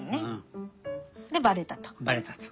でバレたと。